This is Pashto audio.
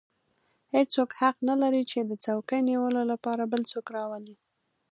هېڅوک حق نه لري چې د څوکۍ نیولو لپاره بل څوک راولي.